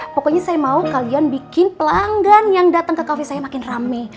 pokoknya saya mau kalian bikin pelanggan yang datang ke kafe saya makin rame